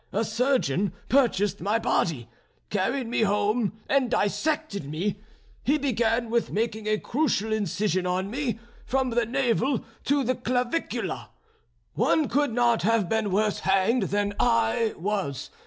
A surgeon purchased my body, carried me home, and dissected me. He began with making a crucial incision on me from the navel to the clavicula. One could not have been worse hanged than I was.